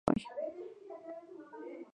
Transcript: La Padula aún se conserva hoy.